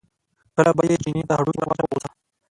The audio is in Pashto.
کله به یې چیني ته هډوکی ور واچاوه په غوسه.